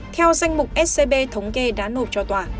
theo danh mục scb thống kê đã nộp cho tòa